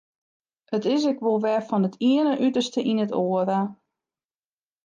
It is ek wol wer fan it iene uterste yn it oare.